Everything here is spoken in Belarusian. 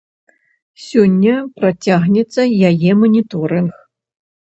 Сёння працягнецца яе маніторынг.